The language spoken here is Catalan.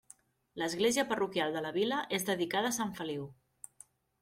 L'església parroquial de la vila és dedicada a Sant Feliu.